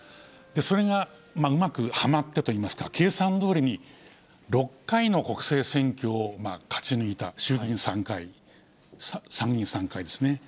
それがうまくはまったといいますか、計算どおりに６回の国政選挙を勝ち抜いた、衆議院３回、参議院３回ですね。